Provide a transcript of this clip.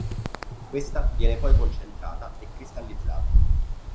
Questa viene poi concentrata e cristallizzata.